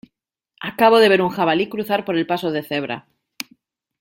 Acabo de ver un jabalí cruzar por el paso de cebra.